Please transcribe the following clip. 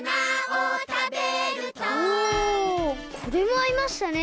おこれもあいましたね。